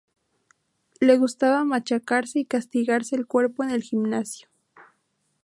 Le gustaba machacarse y castigarse el cuerpo en el gimnasio